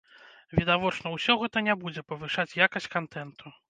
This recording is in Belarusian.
Відавочна, усё гэта не будзе павышаць якасць кантэнту.